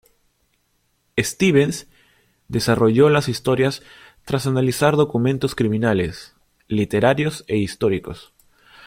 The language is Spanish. Stevens desarrolló las historias tras analizar documentos criminales, literarios e históricos.